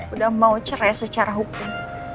udah mau cerai secara hukum